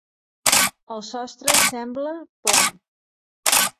El sostre sembla pla.